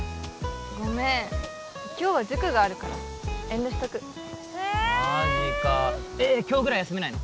ごめん今日は塾があるから遠慮しとくえマジか今日ぐらい休めないの？